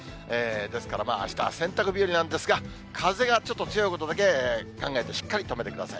ですからあしたは洗濯日和なんですが、風がちょっと強いことだけ考えて、しっかり留めてください。